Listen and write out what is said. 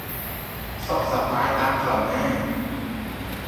សុខសប្បាយតាមផ្លូវណា៎!